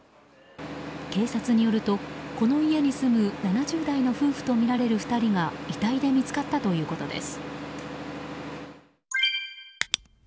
警察によると、この家に住む７０代の夫婦とみられる２人が遺体で見つかったということです。